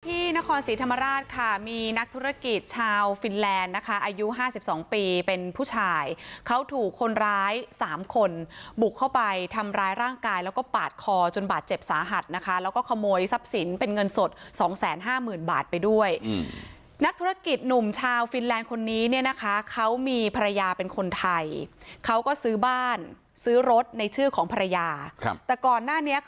ที่นครศรีธรรมราชค่ะมีนักธุรกิจชาวฟินแลนด์นะคะอายุห้าสิบสองปีเป็นผู้ชายเขาถูกคนร้ายสามคนบุกเข้าไปทำร้ายร่างกายแล้วก็ปาดคอจนบาดเจ็บสาหัสนะคะแล้วก็ขโมยทรัพย์สินเป็นเงินสดสองแสนห้าหมื่นบาทไปด้วยอืมนักธุรกิจหนุ่มชาวฟินแลนด์คนนี้เนี่ยนะคะเขามีภรรยาเป็นคนไทยเขาก็ซื้อบ้านซื้อรถในชื่อของภรรยาครับแต่ก่อนหน้านี้ค